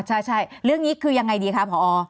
ใช่เรื่องนี้คือยังไงดีคะพอ